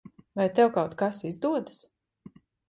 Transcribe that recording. Vai tev kaut kas izdodas?